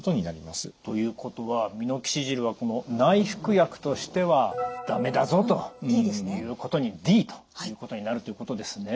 ということはミノキシジルは内服薬としては駄目だぞということにＤということになるということですね。